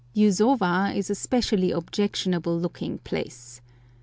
YUSOWA is a specially objectionable looking place.